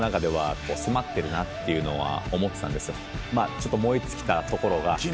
ちょっと燃え尽きたところが。